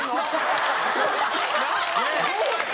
どうして？